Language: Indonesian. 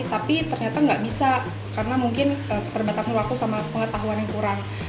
tapi ternyata gak bisa karena mungkin terbatas nilaku sama pengetahuan yang kurang